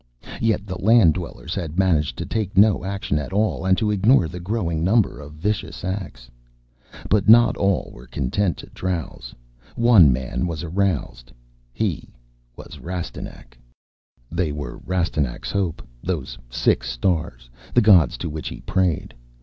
Yet, the Land dwellers had managed to take no action at all and to ignore the growing number of vicious acts. But not all were content to drowse. One man was aroused. He was Rastignac. They were Rastignac's hope, those Six Stars, the gods to which he prayed.